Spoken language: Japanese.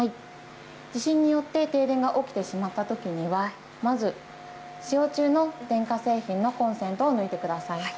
地震によって停電が起きてしまったときには、まず使用中の電化製品のコンセントを抜いてください。